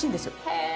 へえ！